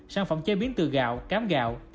sản phẩm chế biến từ gạo cám gạo